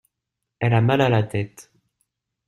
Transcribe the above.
Elle a mal à la tête.